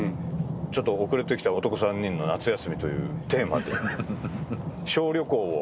ちょっと遅れて来た男３人の夏休みというテーマで小旅行を。